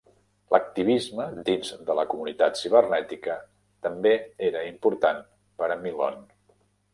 L'activisme dins de la comunitat cibernètica també era important per a Milhon.